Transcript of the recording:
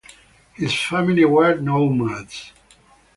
His family were nomads.